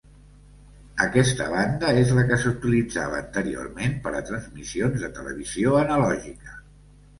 Aquesta banda és la que s'utilitzava anteriorment per a transmissions de televisió analògica.